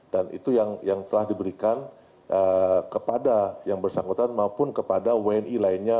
dan itu yang telah diberikan kepada yang bersangkutan maupun kepada wni lainnya